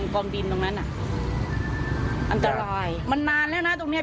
กองดินตรงนั้นอ่ะอันตรายมันนานแล้วนะตรงเนี้ย